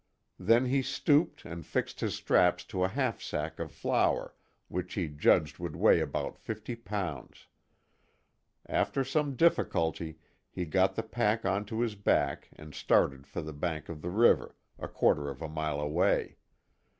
Then he stooped and fixed his straps to a half sack of flour which he judged would weigh about fifty pounds. After some difficulty he got the pack onto his back and started for the bank of the river, a quarter of a mile away.